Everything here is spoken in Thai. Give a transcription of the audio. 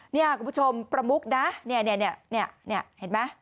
นี่คุณผู้ชมประมุกนะเนี่ยเห็นไหม